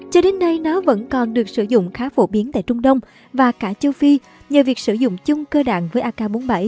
cho đến nay nó vẫn còn được sử dụng khá phổ biến tại trung đông và cả châu phi nhờ việc sử dụng chung cơ đạn với ak bốn mươi bảy